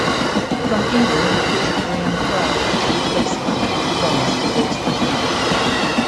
From Eden recruited Graham Crabb to replace Hunt on drums before splitting up.